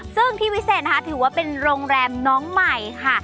ซึ่งที่วิเศษนะคะถือว่าเป็นโรงแรมน้องใหม่ค่ะ